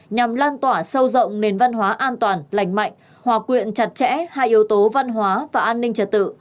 nhằm lan tỏa sâu rộng nền văn hóa an toàn lành mạnh hòa quyện chặt chẽ hai yếu tố văn hóa và an ninh trật tự